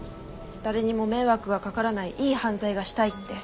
誰にも迷惑がかからないいい犯罪がしたいって。